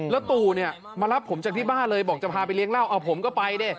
แล้วตู่เนี่ยมารับผมจากที่บ้านเลยบอกจะพาไปเลี้ยเหล้าเอาผมก็ไปดิ